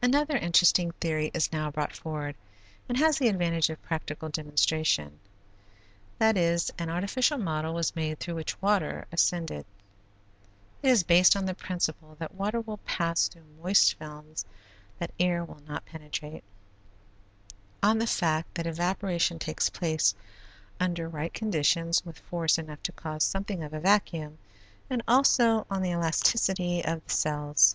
Another interesting theory is now brought forward and has the advantage of practical demonstration, that is, an artificial model was made through which water ascended. It is based on the principle that water will pass through moist films that air will not penetrate, on the fact that evaporation takes place under right conditions with force enough to cause something of a vacuum, and also on the elasticity of the cells.